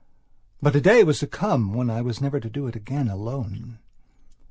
But a day was to come when I was never to do it again alone.